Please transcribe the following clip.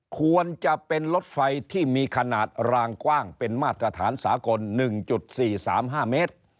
ควรจะเป็นรถไฟที่มีขนาดรางกว้างเป็นมาตรฐานสากล๑๔๓๕เมตร